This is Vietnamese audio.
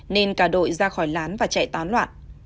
nên cả đội ra khỏi lán và chạy tán loạn